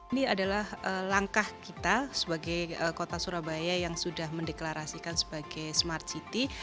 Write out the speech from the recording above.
ini adalah langkah kita sebagai kota surabaya yang sudah mendeklarasikan sebagai smart city